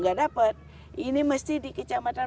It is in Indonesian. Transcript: nggak dapat ini mesti di kecamatan